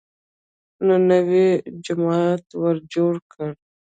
نوی لوی جومات ورجوړ کړ.